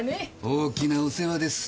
大きなお世話です。